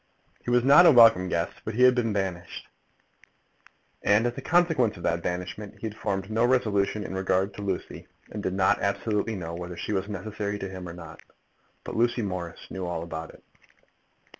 He was not a welcome guest, but had been banished; and, as a consequence of that banishment, he had formed no resolution in regard to Lucy, and did not absolutely know whether she was necessary to him or not. But Lucy Morris knew all about it.